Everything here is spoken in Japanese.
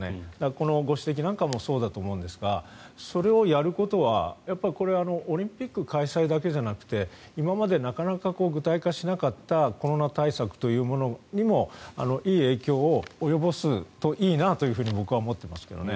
このご指摘なんかもそうだと思うんですがそれをやることはオリンピック開催だけじゃなくて今までなかなか具体化しなかったコロナ対策というのにもいい影響を及ぼすといいなというふうに僕は思っていますけどね。